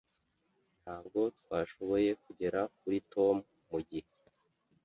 Ntabwo twashoboye kugera kuri Tom mugihe.